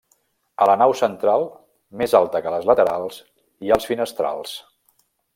A la nau central, més alta que les laterals, hi ha els finestrals.